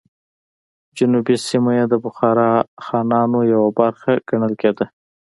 جنوبي سیمه یې د بخارا خانانو یوه برخه ګڼل کېده.